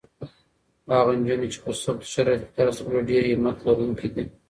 هغه نجونې چې په سختو شرایطو کې درس لولي ډېرې همت لرونکې دي.